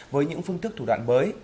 với những phương thức thủ đoạn mới